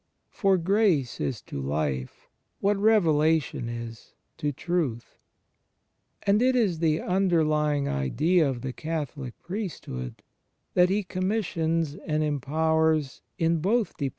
For Grace is to Life, what Revelation is to Truth. And it is the imderlying idea of the Catholic Priesthood, that He commissions and empowers in both depart * John i : 17.